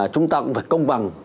chúng ta cũng phải công bằng